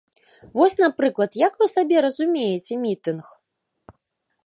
Вось, напрыклад, як вы сабе разумееце мітынг?